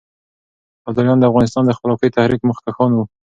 ابداليان د افغانستان د خپلواکۍ د تحريک مخکښان وو.